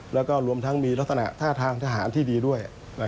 แล้วก็รวมทั้งมีลักษณะท่าทางทหารที่ดีด้วย